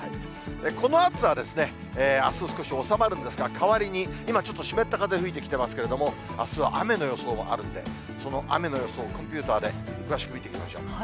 この暑さはですね、あす少し収まるんですが、かわりに今、ちょっと湿った風、吹いてきていますけれども、あすは雨の予想もあるんで、その雨の予想、コンピューターで見ていきましょう。